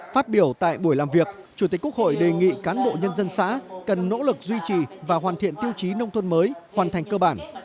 phát biểu tại buổi làm việc chủ tịch quốc hội đề nghị cán bộ nhân dân xã cần nỗ lực duy trì và hoàn thiện tiêu chí nông thôn mới hoàn thành cơ bản